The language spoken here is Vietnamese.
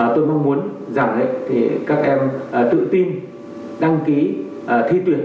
tôi mong muốn rằng các em tự tin đăng ký thi tuyển